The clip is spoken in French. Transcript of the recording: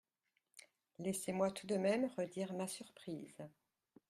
Laissez-moi tout de même redire ma surprise.